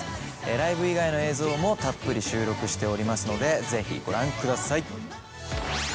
ライブ以外の映像もたっぷり収録しておりますのでぜひご覧ください。